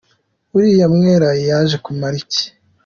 Uriya mwera yajekumariki?